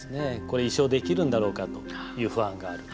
これ、一生できるんだろうかという不安がある。